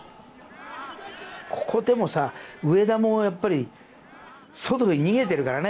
ここでも上田もやっぱり外に逃げているからね。